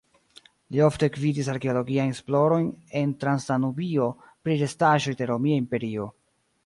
Li ofte gvidis arkeologiajn esplorojn en Transdanubio pri restaĵoj de Romia Imperio.